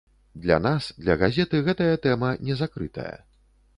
Для нас, для газеты гэтая тэма не закрытая.